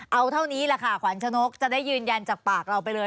เอาเท่านี้แหละค่ะขวัญชนกจะได้ยืนยันจากปากเราไปเลย